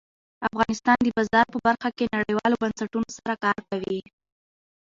افغانستان د باران په برخه کې نړیوالو بنسټونو سره کار کوي.